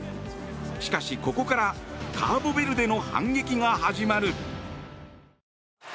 しかしここからカーボベルデの反撃が始まる。